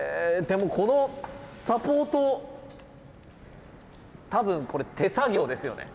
でもこのサポート多分これ手作業ですよね。